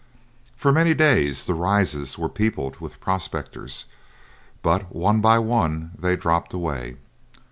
For many days the Rises were peopled with prospectors, but one by one they dropped away.